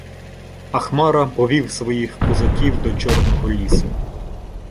А Хмара повів своїх козаків до Чорного лісу.